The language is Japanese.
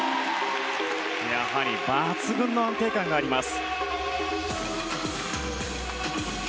やはり抜群の安定感があります。